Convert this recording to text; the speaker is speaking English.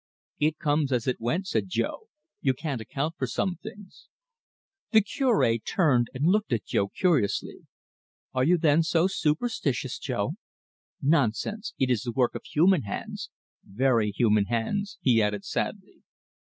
"It comes as it went," said Jo. "You can't account for some things." The Cure turned and looked at Jo curiously. "Are you then so superstitious, Jo? Nonsense; it is the work of human hands very human hands," he added sadly.